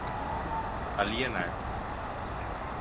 alienar